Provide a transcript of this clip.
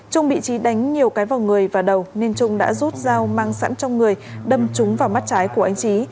trung bị trí đánh nhiều cái vào người và đầu nên trung đã rút dao mang sẵn trong người đâm trúng vào mắt trái của anh trí